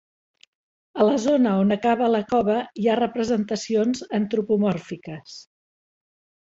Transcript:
A la zona on acaba la cova hi ha representacions antropomòrfiques.